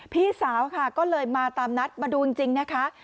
พี่สาวค่ะก็เลยมาตามนัดมาดูจริงนะคะ